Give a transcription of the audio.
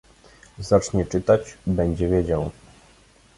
"Zacznie czytać: będzie wiedział."